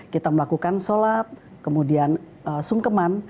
kita melakukan sholat kemudian sungkeman